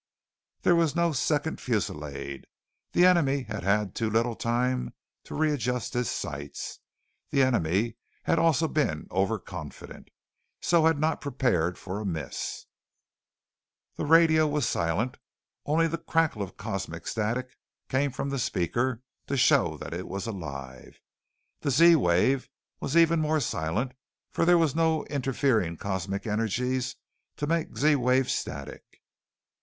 There was no second fullisade. The enemy had had too little time to readjust his sights. The enemy had also been overconfident, so had not prepared for a miss. The radio was silent. Only the crackle of cosmic static came from the speaker to show that it was alive. The Z wave was even more silent for there was no interfering cosmic energies to make Z wave static.